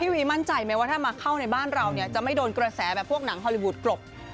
วีมั่นใจไหมว่าถ้ามาเข้าในบ้านเราเนี่ยจะไม่โดนกระแสแบบพวกหนังฮอลลี่วูดกรบ